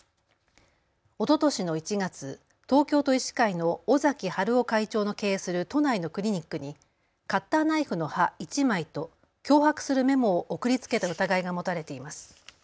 おととしの１月、東京都医師会の尾崎治夫会長の経営する都内のクリニックにカッターナイフの刃１枚と脅迫するメモを送りつけた疑いが持たれています。